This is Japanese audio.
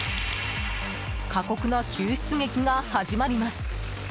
過酷な救出劇が始まります。